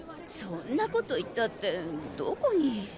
そんなこと言ったってどこに。